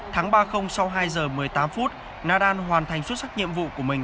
tháng ba sau hai giờ một mươi tám phút nadan hoàn thành xuất sắc nhiệm vụ của mình